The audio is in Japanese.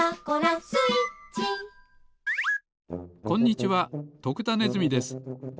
こんにちは徳田ネズミです。